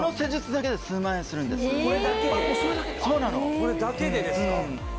これだけでですか